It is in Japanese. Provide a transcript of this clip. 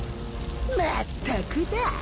まったくだ。